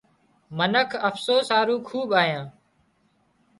منک افسوس هارو کوٻ آيان